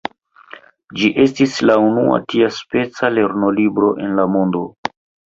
Ĝi estis la unua tiaspeca lernolibro en la mondo.